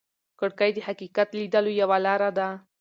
کړکۍ د حقیقت لیدلو یوه لاره ده.